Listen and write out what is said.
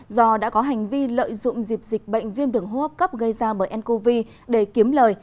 do đã có hành vi lợi dụng dịp dịch bệnh viêm đường hô hấp cấp gây ra bởi ncov để kiếm lời